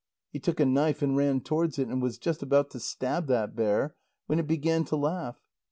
He took a knife and ran towards it, and was just about to stab that bear, when it began to laugh.